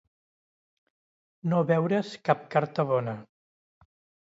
No veure's cap carta bona.